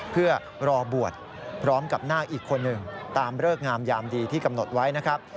เพื่อรอบวชพร้อมกับนาคอีกคนหนึ่งตามเลิกงามยามดีที่กำหนดไว้นะครับ